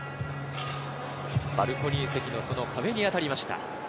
バルコニー席の壁に当たりました。